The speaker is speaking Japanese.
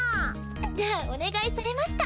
じゃあお願いされました！